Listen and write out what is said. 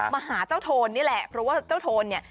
มาหาเจ้าโทนนี่แหละเพราะว่าเจ้าโทนเนี่ย